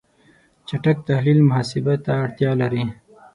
چټک تحلیل محاسبه ته اړتیا لري.